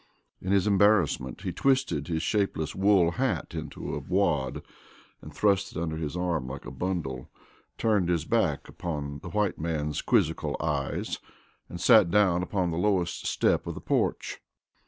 In his embarrassment he twisted his shapeless wool hat into a wad, thrust it under his arm like a bundle, turned his back upon the white man's quizzical eyes, and sat down upon the lowest step of the porch.